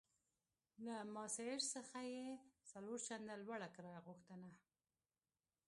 له ماسیر څخه یې څلور چنده لوړه کرایه غوښته.